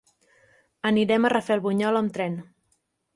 Anirem a Rafelbunyol amb tren.